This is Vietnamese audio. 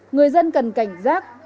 người dân cần cảnh giác